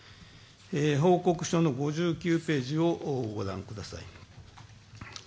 報告書の５９ページをご覧ください。